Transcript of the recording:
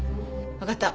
わかった。